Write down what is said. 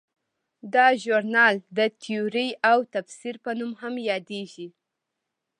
دا ژورنال د تیورۍ او تفسیر په نوم هم یادیږي.